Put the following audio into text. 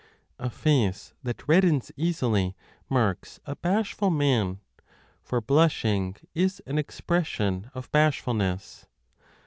A face that reddens easily 30 marks a bashful man, for blushing is an expression of bashfulness.